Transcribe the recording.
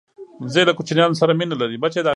وزې له کوچنیانو سره مینه لري